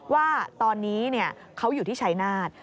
ว่าตอนนี้เขาอยู่ที่ชัยนาธ